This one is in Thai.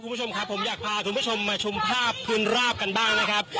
คุณผู้ชมครับผมอยากพาคุณผู้ชมมาชมภาพพื้นราบกันบ้างนะครับ